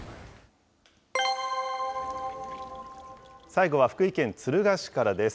最後は福井県敦賀市からです。